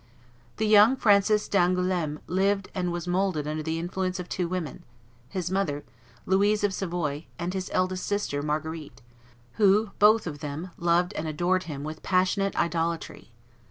The young Francis d'Angouleme lived and was moulded under the influence of two women, his mother, Louise of Savoy, and his eldest sister, Marguerite, who both of them loved and adored him with passionate idolatry.